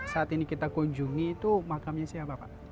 saat ini kita kunjungi itu makamnya siapa pak